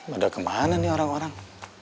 udah kemana nih orang orang